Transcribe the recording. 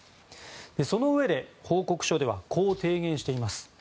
そのうえで、報告書ではこう提言しています。